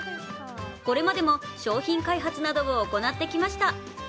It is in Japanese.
これまでも商品開発などを行ってきました。